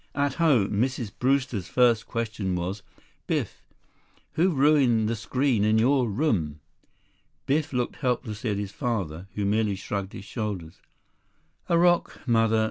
At home, Mrs. Brewster's first question was, "Biff, who ruined the screen in your room?" Biff looked helplessly at his father, who merely shrugged his shoulders. "A rock, Mother.